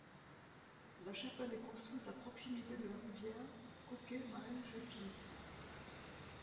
La Chapelle est construite à proximité de la rivière Kokemäenjoki.